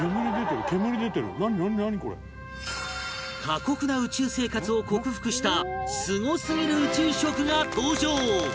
過酷な宇宙生活を克服したすごすぎる宇宙食が登場！